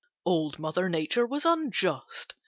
Old Mother Nature was unjust.